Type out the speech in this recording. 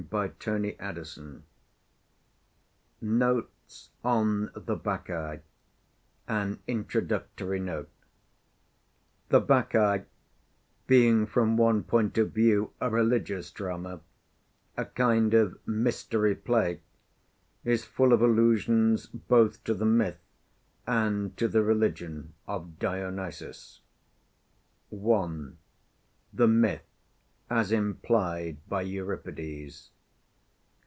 _ NOTES ON THE BACCHAE INTRODUCTORY NOTE The Bacchae, being from one point of view a religious drama, a kind of "mystery play," is full of allusions both to the myth and to the religion of Dionysus. 1. The Myth, as implied by Euripides.